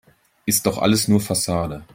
Ist doch alles nur Fassade.